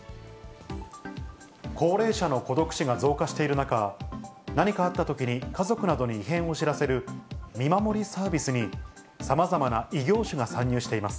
高齢者の孤独死が増加している中、何かあったときに家族などに異変を知らせる見守りサービスに、さまざまな異業種が参入しています。